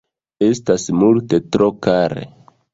Estas multe tro kare.